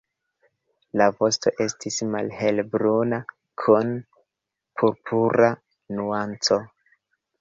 La vosto estis malhelbruna kun purpura nuanco.